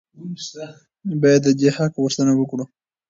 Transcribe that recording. باید د دې حق غوښتنه وکړو.